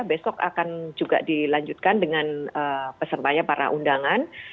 besok akan juga dilanjutkan dengan pesertanya para undangan